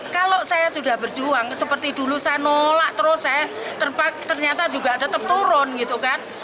kalau saya sudah berjuang seperti dulu saya nolak terus saya ternyata juga tetap turun gitu kan